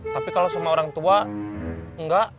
tapi kalau semua orang tua enggak